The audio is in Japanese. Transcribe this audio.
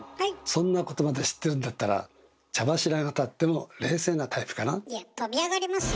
そんなことまで知ってるんだったらいや跳び上がりますよ。